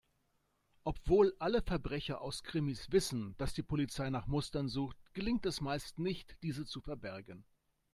Obwohl alle Verbrecher aus Krimis wissen, dass die Polizei nach Mustern sucht, gelingt es meist nicht, diese zu verbergen.